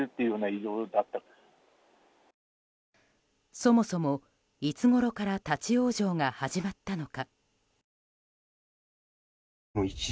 そもそも、いつごろから立ち往生が始まったのか。